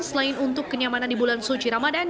selain untuk kenyamanan di bulan suci ramadan